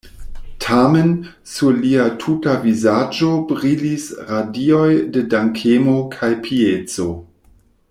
Tamen sur lia tuta vizaĝo brilis radioj de dankemo kaj pieco.